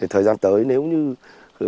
thời gian tới nếu như